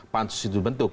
pansus itu dibentuk